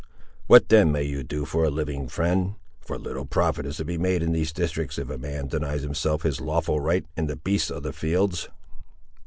"What then may you do for a living, friend? for little profit is to be made in these districts, if a man denies himself his lawful right in the beasts of the fields."